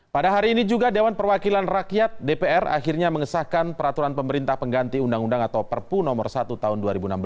pada hari ini juga dewan perwakilan rakyat dpr akhirnya mengesahkan peraturan pemerintah pengganti undang undang atau perpu no satu tahun dua ribu enam belas